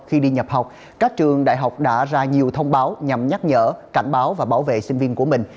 khi đi nhập học các trường đại học đã ra nhiều thông báo nhằm nhắc nhở cảnh báo và bảo vệ sinh viên của mình